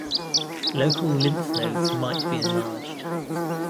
Local lymph nodes might be enlarged.